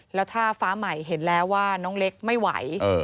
แล้วถ้าฟ้าใหม่เห็นแล้วว่าน้องเล็กไม่ไหว